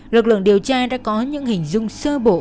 lực lượng điều tra đã có những hình dung sơ bộ